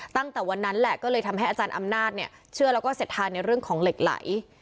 ตั้งแต่วันนั้นแหละก็เลยทำให้อาจารย์อำนาจเนี่ยเชื่อแล้วก็เสร็จทานในเรื่องของเหล็กไหล